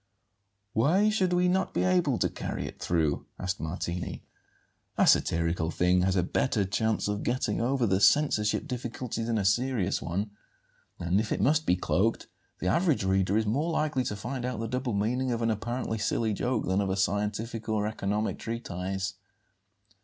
"Why should we not be able to carry it through?" asked Martini. "A satirical thing has a better chance of getting over the censorship difficulty than a serious one; and, if it must be cloaked, the average reader is more likely to find out the double meaning of an apparently silly joke than of a scientific or economic treatise."